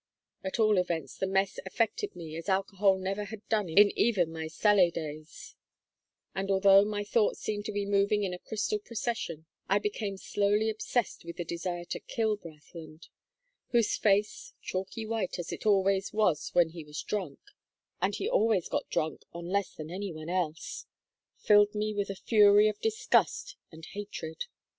At all events the mess affected me as alcohol never had done in even my salet days, and although my thoughts seemed to be moving in a crystal procession, I became slowly obsessed with the desire to kill Brathland; whose face, chalky white, as it always was when he was drunk and he always got drunk on less than any one else filled me with a fury of disgust and hatred.